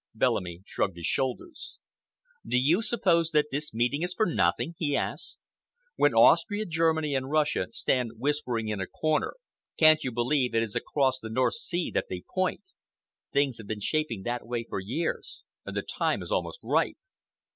Bellamy shrugged his shoulders. "Do you suppose that this meeting is for nothing?" he asked. "When Austria, Germany and Russia stand whispering in a corner, can't you believe it is across the North Sea that they point? Things have been shaping that way for years, and the time is almost ripe."